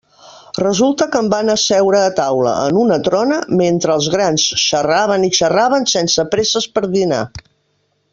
Resulta que em van asseure a taula, en una trona, mentre els grans xerraven i xerraven sense presses per dinar.